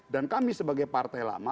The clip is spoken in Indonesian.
dan kami sebagai partai lama